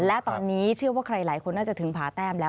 และตอนนี้เชื่อว่าใครหลายคนน่าจะถึงผ่าแต้มแล้ว